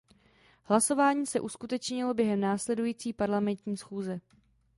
Hlasování se uskuteční během následující parlamentní schůze.